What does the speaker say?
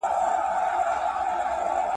زه به سبا د لوبو لپاره وخت نيسم وم!